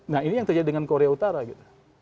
nah ini yang terjadi dengan korea utara gitu